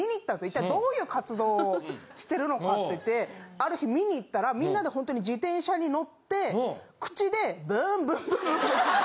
一体どういう活動をしてるのかある日見に行ったらみんなでホントに自転車に乗って口で。